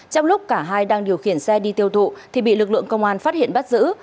trong lúc cả hai đang điều khiển xe đi tiêu thụ thì bị lực lượng công an phát hiện bắt giữ